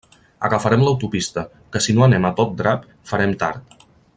Agafarem l'autopista que si no anem a tot drap, farem tard.